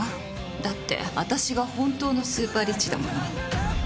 だって、私が本当のスーパーリッチだもの。